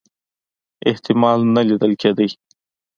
احتمال نه لیده کېدی.